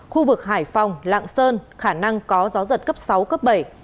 khu vực hải phòng lạng sơn khả năng có gió giật cấp sáu cấp bảy